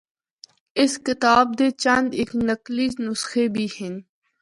اس کتاب دے چند اک نقلی نسخے بھی ہن۔